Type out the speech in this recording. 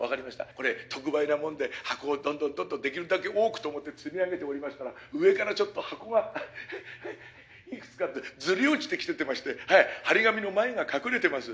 これ特売なもんで箱をどんどんどんどんできるだけ多くと思って積み上げておりましたら上から箱がずり落ちてきてまして貼り紙の前が隠れてます。